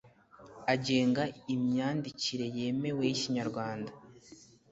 agenga imyandikire yemewe y Ikinyarwanda